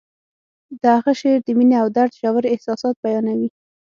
د هغه شعر د مینې او درد ژور احساسات بیانوي